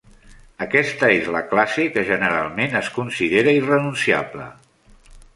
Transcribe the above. Aquesta es la classe que generalment es considera irrenunciable.